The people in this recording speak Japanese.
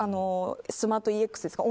スマートＥＸですか